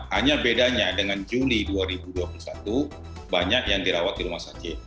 hanya bedanya dengan juli dua ribu dua puluh satu banyak yang dirawat di rumah sakit